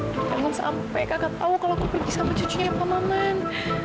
aduh jangan sampai kagak tahu kalau aku pergi sama cucunya apa maman